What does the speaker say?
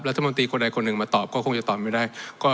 รัฐมนตรีคนใดคนหนึ่งมาตอบก็ก็คงจะตอบไม่ได้